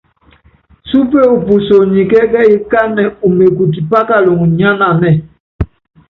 Súpe u puso ni kɛ́kɛ́yí kánɛ umekuci pákaluŋɔ nyánanɛ́.